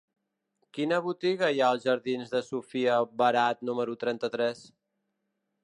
Quina botiga hi ha als jardins de Sofia Barat número trenta-tres?